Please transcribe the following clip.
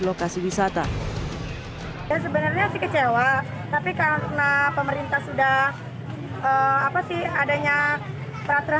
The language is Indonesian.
lokasi wisata dan sebenarnya sih kecewa tapi karena pemerintah sudah apa sih adanya peraturan